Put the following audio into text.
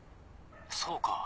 そうか。